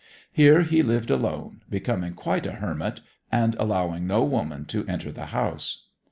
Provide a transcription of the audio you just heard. Here he lived alone, becoming quite a hermit, and allowing no woman to enter the house.